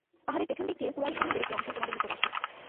পাহাড়ের পেছন দিক দিয়ে কুরাইশ সৈন্যদের একটি অংশ তোমাদের নিকট আসবে।